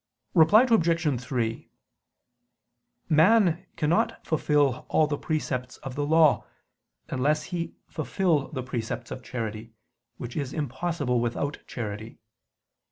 Reply Obj. 3: Man cannot fulfil all the precepts of the law, unless he fulfil the precept of charity, which is impossible without charity.